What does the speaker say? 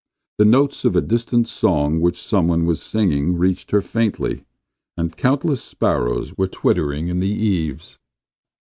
The notes of a distant song which some one was singing reached her faintly, and countless sparrows were twittering in the eaves.